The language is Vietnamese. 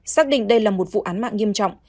xác định đây là một vụ án mạng nghiêm trọng